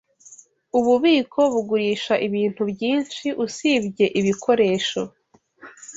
Ububiko bugurisha ibintu byinshi usibye ibikoresho.